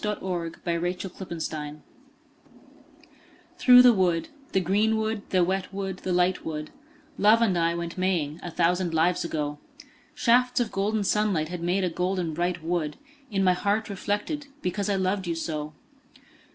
ROSEMARY 51 THROUGH THE WOOD THKOUGH the wood, the green wood, the wet wood, the light wood, Love and I went maying a thousand lives ago ; Shafts of golden sunlight had made a golden bright wood In my heart reflected, because I loved you so.